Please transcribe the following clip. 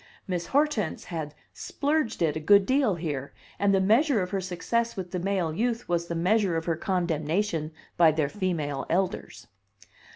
Miss Hortense had "splurged it" a good deal here, and the measure of her success with the male youth was the measure of her condemnation by their female elders.